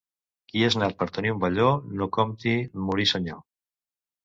Qui és nat per tenir un velló, no compti morir senyor.